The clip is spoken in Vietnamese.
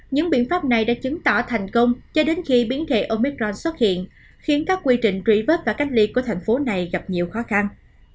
những biện pháp này đã chứng tỏ thành công cho đến khi biến thể omicron xuất hiện khiến các quy trình truy vết và cách ly của thành phố này gặp nhiều khó khăn